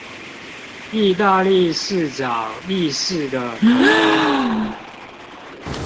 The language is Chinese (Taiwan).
義大利市長義式的口音